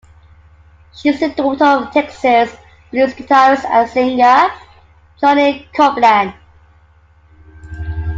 She is the daughter of Texas blues guitarist and singer Johnny Copeland.